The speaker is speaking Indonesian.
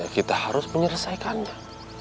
kita harus menyelesaikannya